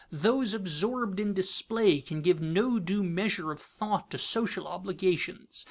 Those absorbed in display can give no due measure of thought to social obligations.